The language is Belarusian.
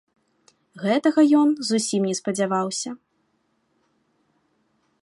Гэтага ён зусім не спадзяваўся.